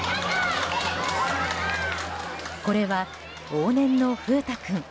これは往年の風太君。